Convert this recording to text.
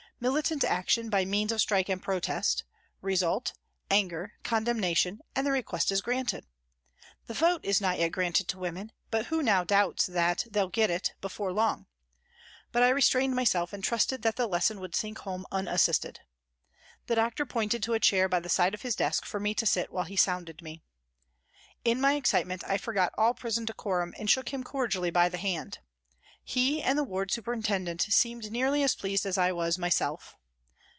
Militant action, by means of strike and protest ; result, anger, condemnation, and the request is granted. The vote is not yet granted to women, but who now doubts that " they'll get it " before long ; but I restrained myself and trusted that the lesson would sink home unassisted. The doctor pointed to a chair by the side of his desk for me to sit while he sounded me. In my excitement I forgot all prison decorum and shook him cordially by the hand. He and the ward superintendent seemed nearly as pleased as I was myself.